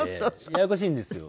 ややこしいんですよ。